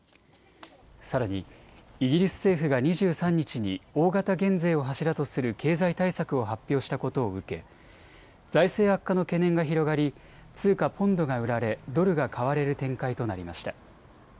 さらに、イギリス政府が２３日に大型減税を柱とする経済対策を発表したことを受け財政悪化の懸念が広がり通貨ポンドが売られドルが買われる展開となりました。